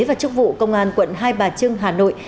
và chức vụ công an quận hai bà trưng hà nội